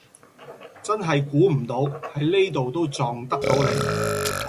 真係估唔到喺呢度都撞得到你